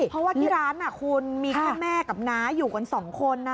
เพราะว่าที่ร้านคุณมีแค่แม่กับน้าอยู่กันสองคนนะ